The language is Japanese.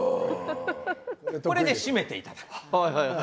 これで締めていただく。